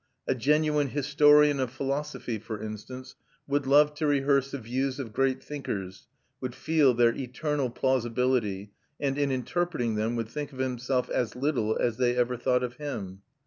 A genuine historian of philosophy, for instance, would love to rehearse the views of great thinkers, would feel their eternal plausibility, and in interpreting them would think of himself as little as they ever thought of him.